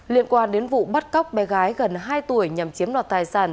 liên quan đến vụ bắt cóc bé gái gần hai tuổi nhằm chiếm đoạt tài sản